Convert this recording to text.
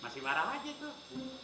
masih warang aja tuh